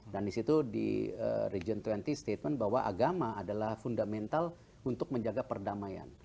dan disitu di region dua puluh statement bahwa agama adalah fundamental untuk menjaga perdamaian